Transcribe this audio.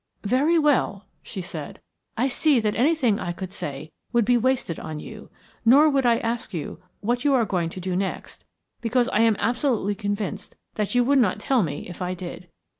"Very well," she said, "I see that anything I could say would be wasted on you, nor would I ask you what you are going to do next, because I am absolutely convinced that you would not tell me if I did.